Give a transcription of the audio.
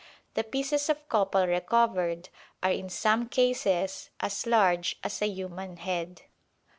The pieces of copal recovered are in some cases as large as a human head.